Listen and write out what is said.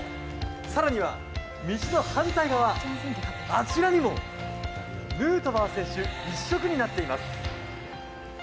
更には、道の反対側あちらにもヌートバー選手一色になっています。